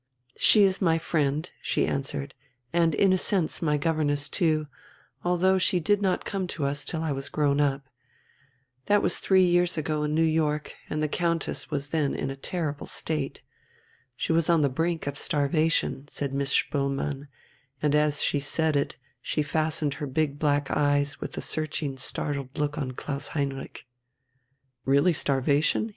"She is my friend," she answered, "and in a sense my governess too, although she did not come to us till I was grown up. That was three years ago, in New York, and the Countess was then in a terrible state. She was on the brink of starvation," said Miss Spoelmann, and as she said it she fastened her big black eyes with a searching, startled look on Klaus Heinrich. "Really starvation?"